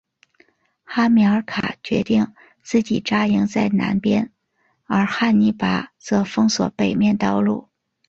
哈米尔卡决定自己扎营在南边而汉尼拔则封锁北面道路。